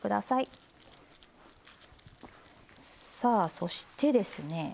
さあそしてですね